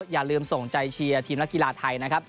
อย่าลืมส่งใจเชียร์ทีมนักกีฬาไทยนะครับ